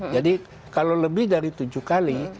kalau lebih dari tujuh kali